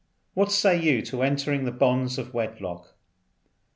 What say you to entering the bonds of wedlock?"